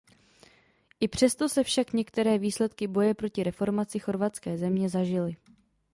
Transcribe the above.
I přesto se však některé výsledky boje proti reformaci chorvatské země zažily.